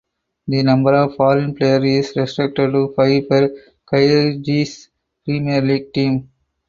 The number of foreign players is restricted to five per Kyrgyz Premier League team.